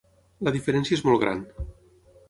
La diferència és molt gran.